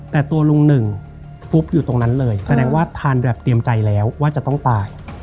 แต่ตัวลุงหนึ่งฟุบอยู่ตรงนั้นเลยแสดงว่าทานแบบเตรียมใจแล้วว่าจะต้องตาย